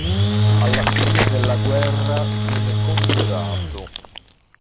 Alla fine della guerra viene congedato.